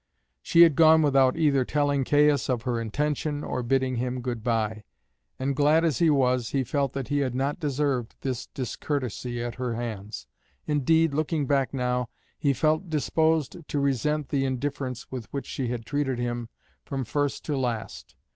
She had gone without either telling Caius of her intention or bidding him good bye, and, glad as he was, he felt that he had not deserved this discourtesy at her hands. Indeed, looking back now, he felt disposed to resent the indifference with which she had treated him from first to last.